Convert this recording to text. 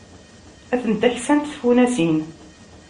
Atent-a ksant tfunasin.